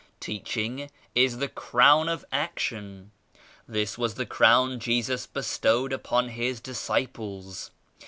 Teaching is the crown of action. This was the Crown Jesus bestowed upon His disciples.